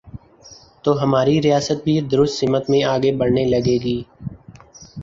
تو ہماری ریاست بھی درست سمت میں آگے بڑھنے لگے گی۔